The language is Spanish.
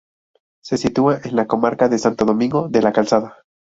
Se sitúa en la comarca de Santo Domingo de la Calzada.